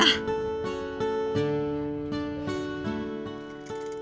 jendal manis dingin